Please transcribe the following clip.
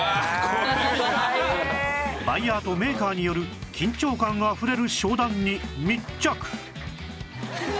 バイヤーとメーカーによる緊張感あふれる商談に密着！